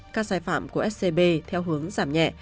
các sai phạm của scb theo hướng giảm nhẹ